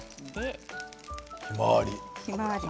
ひまわり。